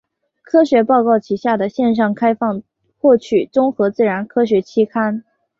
科学报告旗下的线上开放获取综合自然科学期刊。